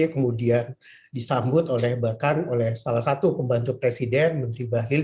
kemudian disambut oleh bahkan oleh salah satu pembantu presiden menteri bahlil